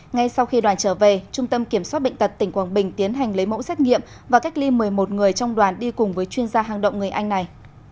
ngay sau khi đoàn trở về trung tâm kiểm soát bệnh tật tỉnh quảng bình tiến hành lấy mẫu xét nghiệm và cách ly một mươi một người trong đoàn đi cùng với chuyên gia hang động người anh này